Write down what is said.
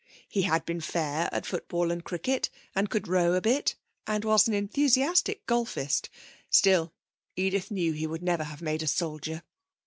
He had been fair at football and cricket, and could row a bit, and was an enthusiastic golfist; still, Edith knew he would never have made a soldier.